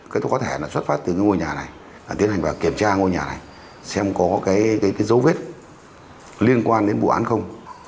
cái tôi có thể là xuất phát từ cái ngôi nhà này tiến hành vào kiểm tra ngôi nhà này xem có cái dấu vết liên quan đến vụ án không